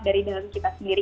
dari dalam kita sendiri